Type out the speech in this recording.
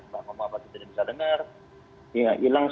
masa pak keputusan bisa dengar